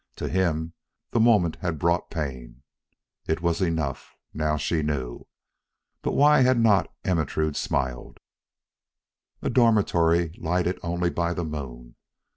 To him, the moment had brought pain. It was enough. Now she knew. But why had not Ermentrude smiled? A dormitory lighted only by the moon!